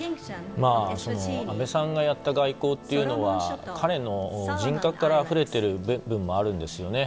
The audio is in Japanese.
安倍さんがやった外交というのは彼の人格からあふれている部分もあるんですよね。